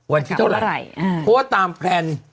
วันที่เท่าไหร่เพราะว่าตามแพลน